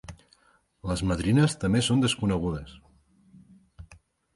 Les madrines també són desconegudes.